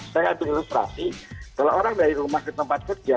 saya akan ilustrasi kalau orang dari rumah tempat kerja